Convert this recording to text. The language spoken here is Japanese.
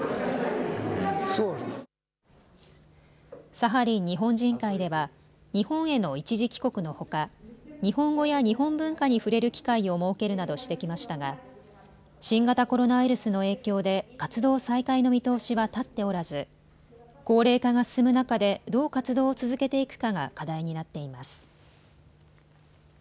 サハリン日本人会では日本への一時帰国のほか日本語や日本文化に触れる機会を設けるなどしてきましたが新型コロナウイルスの影響で活動再開の見通しは立っておらず高齢化が進む中で、どう活動を続けていくかが課題になっています。